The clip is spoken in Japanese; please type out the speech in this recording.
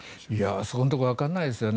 そこのところはわからないですよね。